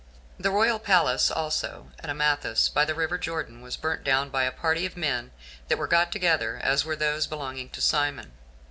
The royal palace also at Amathus, by the river Jordan, was burnt down by a party of men that were got together, as were those belonging to Simon.